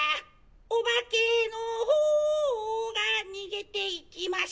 「お化けの方がにげていきました」